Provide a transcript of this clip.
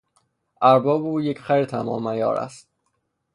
ارباب او یک خر تمام عیار است!